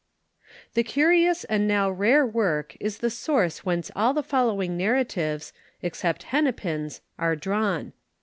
Ite ourioni and now rare work is the source whence all the following narra tives, except Hennepin's, are drawn.